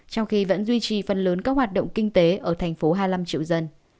trong khi vẫn duy trì phần lớn các hoạt động kinh tế ở thành phố hai mươi năm triệu dân